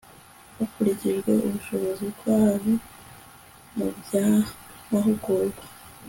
hakurikijwe ubushobozi bwabo mu by'amahugurwa